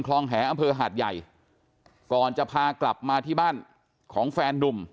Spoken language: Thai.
แหอำเภอหาดใหญ่ก่อนจะพากลับมาที่บ้านของแฟนนุ่ม